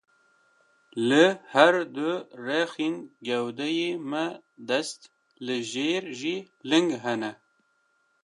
Li her du rexên gewdeyê me dest, li jêr jî ling hene.